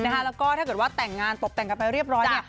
แล้วก็ถ้าเกิดว่าแต่งงานตบแต่งกันไปเรียบร้อยเนี่ย